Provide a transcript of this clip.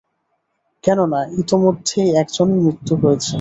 কেননা ইতোমধ্যেই একজনের মৃত্যু হয়েছে।